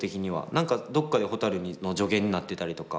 何かどっかでほたるの助言になってたりとか